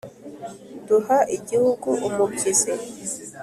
Duha igihugu umubyizi